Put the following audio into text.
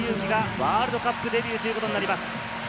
ワールドカップデビューとなります。